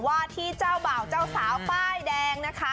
ว่าที่เจ้าบ่าวเจ้าสาวป้ายแดงนะคะ